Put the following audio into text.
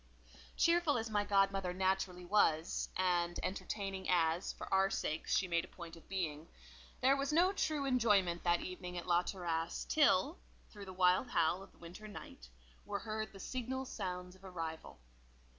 Cheerful as my godmother naturally was, and entertaining as, for our sakes, she made a point of being, there was no true enjoyment that evening at La Terrasse, till, through the wild howl of the winter night, were heard the signal sounds of arrival.